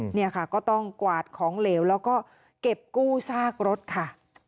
เนี่ยค่ะก็ต้องกวาดของเหลวแล้วก็เก็บกู้ซากรถค่ะ